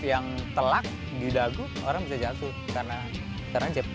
yang telak di dagu orang bisa jatuh karena jep